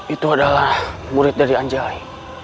itu adalah murid dari anjai